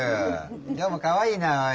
今日もかわいいなおい。